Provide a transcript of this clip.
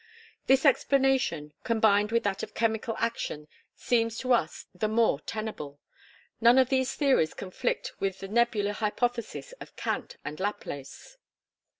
This explanation, combined with that of chemical action seems to us the more tenable. None of these theories conflict with the nebular hypothesis of Kant and Laplace.